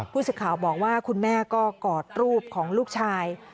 ผู้สื่อข่าวบอกว่าคุณแม่ก็กอดรูปของลูกชาย